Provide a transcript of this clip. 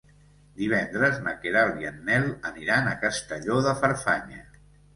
Divendres na Queralt i en Nel aniran a Castelló de Farfanya.